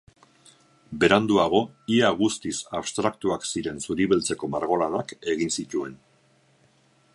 Beranduago, ia guztiz abstraktuak ziren zuri-beltzeko margolanak egin zituen.